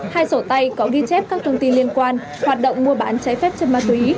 hai sổ tay có ghi chép các thông tin liên quan hoạt động mua bán trái phép chân ma túy